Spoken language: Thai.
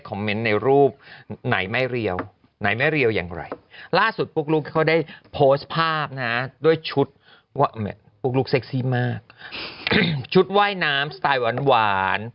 ชุดว่ายน้ำสไตล์หวาน